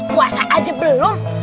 masa aja belum